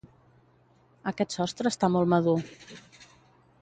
Aquest sostre està molt madur.